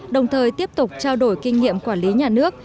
đồng thời tiếp tục trao đổi kinh nghiệm quản lý nhà nước